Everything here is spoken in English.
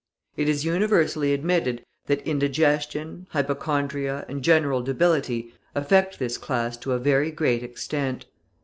It is universally admitted that indigestion, hypochondria, and general debility affect this class to a very great extent.